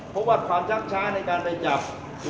พบพรสภาคชากช้าในการไปจับ